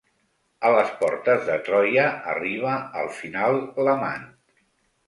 A les portes de Troia arriba al final l'amant.